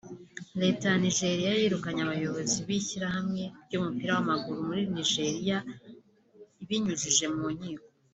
Leta ya Nigeriya yirukanye abayobozi b’ishyirahamwe ry’umupira w’amaguru muri Nigeriya ibinyujije mu nkiko